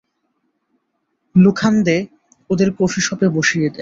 লোখান্দে, ওদের কফি শপে বসিয়ে দে।